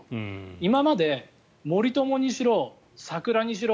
今まで森友にしろ桜にしろ